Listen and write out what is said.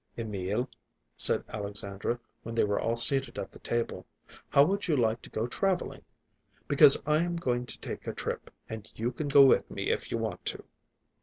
"Emil," said Alexandra, when they were all seated at the table, "how would you like to go traveling? Because I am going to take a trip, and you can go with me if you want to."